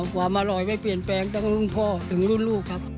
ความอร่อยไม่เปลี่ยนแปลงทั้งรุ่นพ่อถึงรุ่นลูกครับ